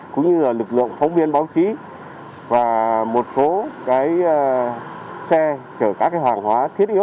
cũng như lực lượng phóng viên báo chí và một số xe chở các hoàng hóa thiết yếu